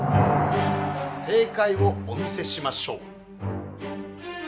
正かいをお見せしましょう。